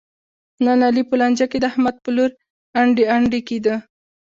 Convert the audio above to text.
نن علي په لانجه کې د احمد په لوري انډی انډی کېدا.